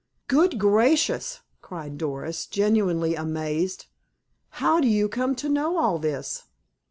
"Good gracious!" cried Doris, genuinely amazed. "How do you come to know all this?"